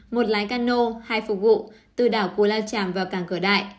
một lái cano hai phục vụ từ đảo cù lao tràm vào cảng cửa đại